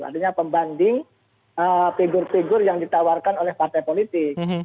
artinya pembanding figur figur yang ditawarkan oleh partai politik